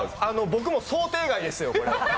僕も想定外ですよ。